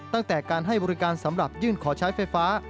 ตั้งแต่การให้บริการสำหรับยื่นขอใช้ไฟฟ้า